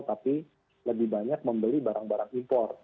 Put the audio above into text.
tapi lebih banyak membeli barang barang impor